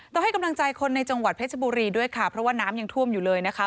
ต้องให้กำลังใจคนในจังหวัดเพชรบุรีด้วยค่ะเพราะว่าน้ำยังท่วมอยู่เลยนะคะ